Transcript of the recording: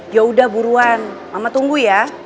yaudah buruan mama tunggu ya